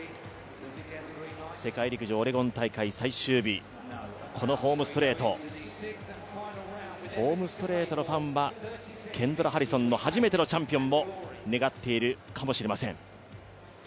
世界陸上オレゴン大会最終日、このホームストレートのファンはケンドラ・ハリソンの初めてのチャンピオンを願っているかもしれません。